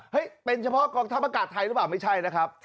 เป็นเฉพาะกองทัพอากาศไทยหรือเปล่าไม่ใช่นะครับ